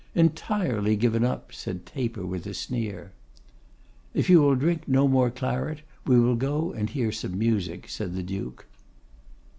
'Entirely given up,' said Taper, with a sneer. 'If you will drink no more claret, we will go and hear some music,' said the Duke.